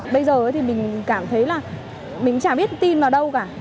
bây giờ thì mình cảm thấy là mình chả biết tin vào đâu cả